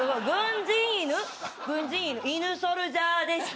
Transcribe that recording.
軍人犬、犬ソルジャーでした。